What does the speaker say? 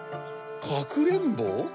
かくれんぼ？